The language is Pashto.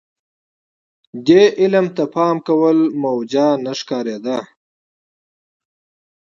دې علم ته پام کول موجه نه ښکارېده.